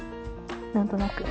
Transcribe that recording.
何となく。